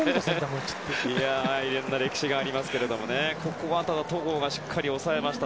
いろんな歴史がありますけどここは戸郷が抑えました。